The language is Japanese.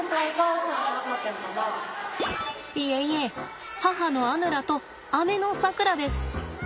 いえいえ母のアヌラと姉のさくらです。